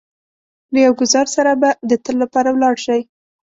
له يو ګوزار سره به د تل لپاره ولاړ شئ.